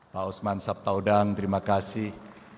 pak osman sabtaudang terima kasih